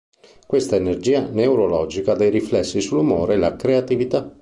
Questa "energia neurologica" ha dei riflessi sull'umore e la creatività.